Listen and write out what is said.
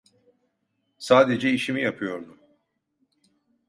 Sadece işimi yapıyordum.